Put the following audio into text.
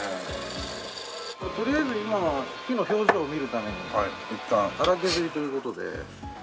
とりあえず今は木の表情を見るためにいったん粗削りという事で。